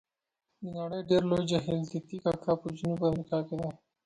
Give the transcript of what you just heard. د نړۍ ډېر لوړ جهیل تي تي کاکا په جنوب امریکا کې دی.